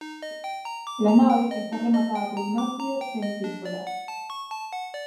La nave está rematada por un ábside semicircular.